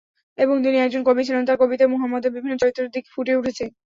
এবং তিনি একজন কবি ছিলেন তার কবিতায় মুহাম্মাদের বিভিন্ন চরিত্রের দিক ফুটে উঠেছে।